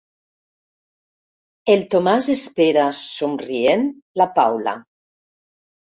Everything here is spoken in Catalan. El Tomàs espera, somrient, la Paula.